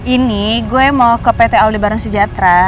ini gue mau ke pt aldebaran sejahtera